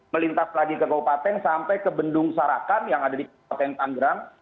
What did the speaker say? melintas lagi ke kabupaten sampai ke bendung sarakan yang ada di kabupaten tanggerang